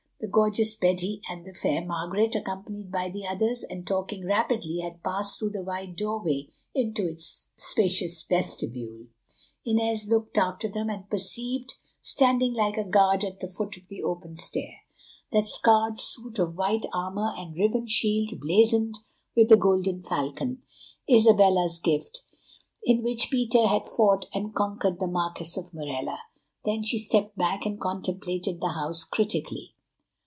The gorgeous Betty and the fair Margaret, accompanied by the others, and talking rapidly, had passed through the wide doorway into its spacious vestibule. Inez looked after them, and perceived, standing like a guard at the foot of the open stair, that scarred suit of white armour and riven shield blazoned with the golden falcon, Isabella's gift, in which Peter had fought and conquered the Marquis of Morella. Then she stepped back and contemplated the house critically.